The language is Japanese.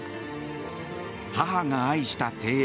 母が愛した庭園。